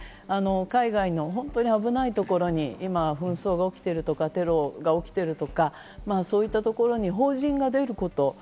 海外の危ないところに今、紛争が起きているとか、テロが起きているとか、そういったところに法人が出ること。